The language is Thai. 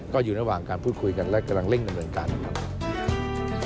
ก็อยู่ระหว่างการพูดคุยกันและกำลังเร่งดำเนินการนะครับ